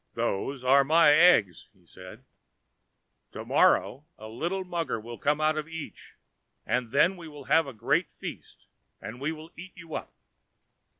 "Those are my eggs," said he; "to morrow a little mugger will come out of each, and then we will have a great feast, and we will eat you up."